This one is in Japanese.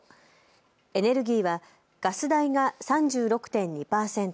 エネルギーはガス代が３６．２％